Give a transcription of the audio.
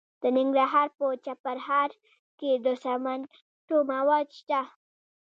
د ننګرهار په چپرهار کې د سمنټو مواد شته.